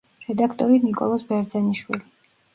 რედაქტორი ნიკოლოზ ბერძენიშვილი.